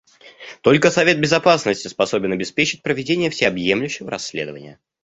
Только Совет Безопасности способен обеспечить проведение всеобъемлющего расследования.